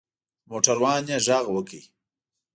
په موټر وان یې غږ وکړ.